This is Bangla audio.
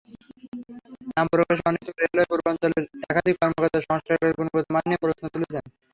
নাম প্রকাশে অনিচ্ছুক রেলওয়ে পূর্বাঞ্চলের একাধিক কর্মকর্তা সংস্কারকাজের গুণগত মান নিয়ে প্রশ্ন তুলেছেন।